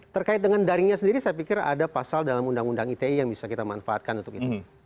terkait dengan daringnya sendiri saya pikir ada pasal dalam undang undang ite yang bisa kita manfaatkan untuk itu